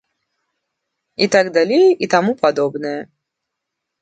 І так далей і таму падобнае.